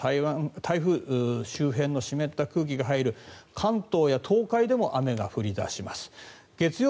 台風周辺の湿った空気が入る関東や東海でも雨が降り出します。